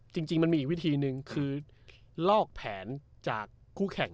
จริงมันมีอีกวิธีหนึ่งคือลอกแผนจากคู่แข่ง